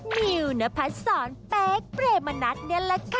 นิวนพัดศรเป๊กเปรมณัฐนี่แหละค่ะ